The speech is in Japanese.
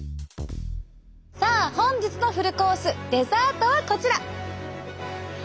さあ本日のフルコースデザートはこちら！